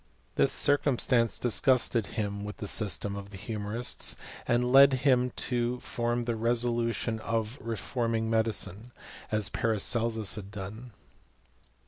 This circumstance disgusted him with the sys tem of the humorists, and led him to form the resolu tion of reforming medicine, as Paracelsus had done.